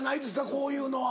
こういうのは。